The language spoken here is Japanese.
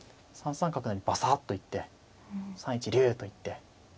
３三角成バサッと行って３一竜！と行って。